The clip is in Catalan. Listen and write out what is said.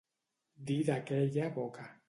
Dir d'aquella boca.